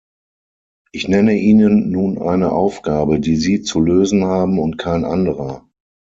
Ich nenne Ihnen nun eine Aufgabe, die Sie zu lösen haben und kein anderer.